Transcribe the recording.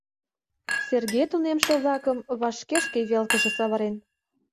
Сергей тунемше-влакым вашке шке велкыже савырен.